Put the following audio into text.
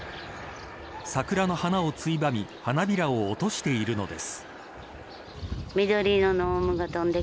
桜の花をついばみ花びらを落としているのです。